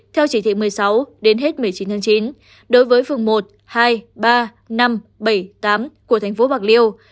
theo chỉ thị một mươi sáu đến hết một mươi chín tháng chín đối với phường một hai ba năm bảy tám của thành phố bạc liêu